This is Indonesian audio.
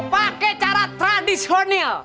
pake cara tradisional